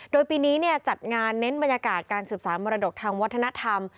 โดยปีนี้จัดงานเน้นบรรยากาศการสืบสารมรดกทางวัฒนธรรม